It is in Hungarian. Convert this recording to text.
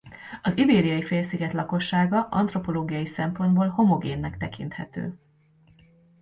Az Ibériai-félsziget lakossága antropológiai szempontból homogénnek tekinthető.